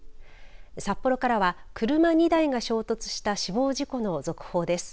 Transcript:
札幌からは車２台が衝突した死亡事故の続報です。